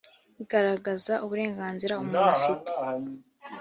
igaragaza uburenganzira umuntu afite.